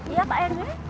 iya pak rw